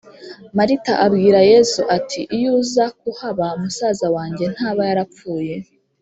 Marita abwira Yezu ati iyo uza kuhaba musaza wanjye ntaba yarapfuye